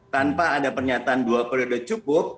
tanpa ada pernyataan dua periode cukup